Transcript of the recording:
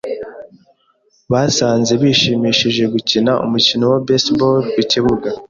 Basanze bishimishije gukina umukino wa baseball ku kibuga.